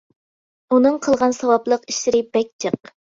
ئۇنىڭ قىلغان ساۋابلىق ئىشلىرى بەك جىق.